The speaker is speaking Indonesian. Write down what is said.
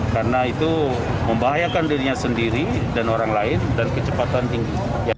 karena itu membahayakan dirinya sendiri dan orang lain dan kecepatan tinggi